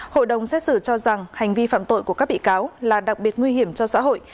hội đồng xét xử cho rằng hành vi phạm tội của các bị cáo là đặc biệt nguy hiểm cho xã hội